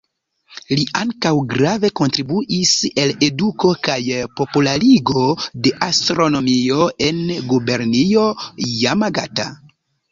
Li ankaŭ grave kontribuis al eduko kaj popularigo de astronomio en gubernio Jamagata.